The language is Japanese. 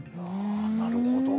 なるほど。